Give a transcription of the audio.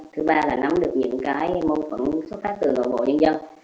thứ ba là nắm được những môn phận xuất phát từ bộ nhân dân